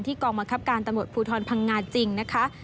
กองบังคับการตำรวจภูทรพังงาจริงนะคะ